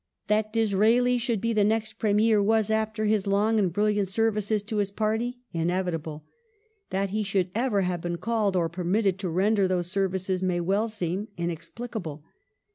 That Disraeli should be the next Premier was, after his long and brilliant services to his party, inevitable ; that he should ever have been called or permitted to render those services may well seem inexplicable.